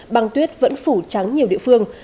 băng tuyết vẫn phủ trắng nhiều địa phương